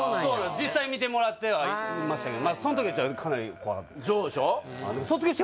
実際見てもらってはいましたけどその時はかなり怖かったそうでしょ？